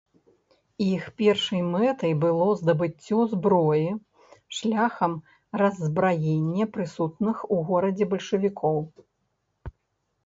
Іх першай мэтай было здабыццё зброі шляхам раззбраення прысутных у горадзе бальшавікоў.